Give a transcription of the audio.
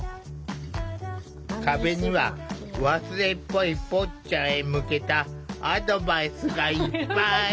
壁には忘れっぽいぽっちゃんへ向けたアドバイスがいっぱい。